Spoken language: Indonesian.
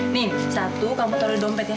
nih satu kamu taruh di dompet ya